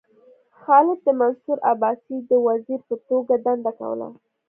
خالد د منصور عباسي د وزیر په توګه دنده کوله.